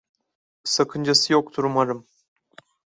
Sakıncası yoktur umarım.